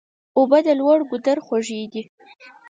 اوبه د لوړ ګودر خوږې دي.